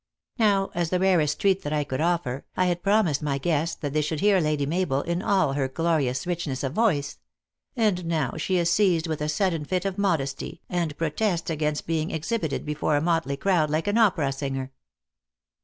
Now, as the rarest treat that I could offer, I had promised my guests that they should hear Lady Mabel in all her glorious richness of voice ; and now she is seized with a sudden fit of modesty, and protests against being exhibited before a motly crowd like an opera singer."